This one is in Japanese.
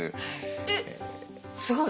えっすごい！